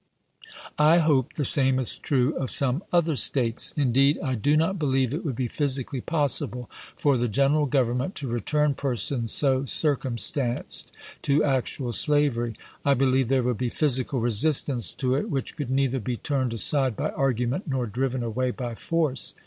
I hope the same is true of some other States. In deed, I do not believe it would be physically possible for the General Government to return persons so circum stanced to actual slavery. I believe there would be phys ical resistance to it, which could neither be turned aside by argument nor driven away by force.